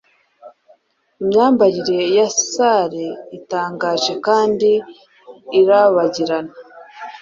Imyambarire ya salle itangaje kandi irabagirana